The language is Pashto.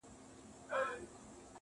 • و ماته به د دې وطن د کاڼو ضرورت سي.